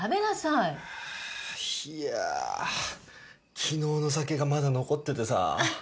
いや昨日の酒がまだ残っててさ。